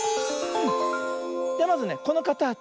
ではまずねこのかたち